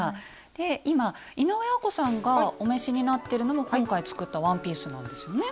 で今井上アコさんがお召しになってるのも今回作ったワンピースなんですよね。